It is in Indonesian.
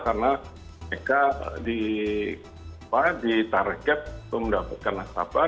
karena mereka di target untuk mendapatkan nasabah